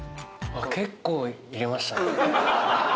結構入れましたね。